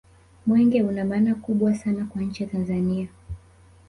mwenge una maana kubwa sana kwa nchi ya tanzania